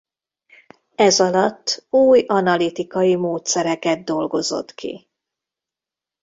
Ezalatt új analitikai módszereket dolgozott ki.